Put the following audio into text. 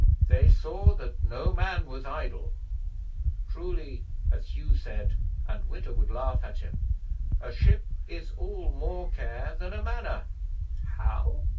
They saw that no man was idle. Truly, as Hugh said, and Witta would laugh at him, a ship is all more care than a Manor. 'How?